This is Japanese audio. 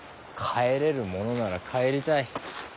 帰れるものなら帰りたい。